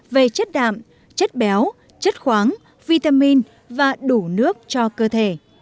về chất đạm chất béo chất khoáng vitamin và đủ nước cho cơ thể